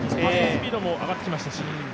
スピードも上がってきましたし。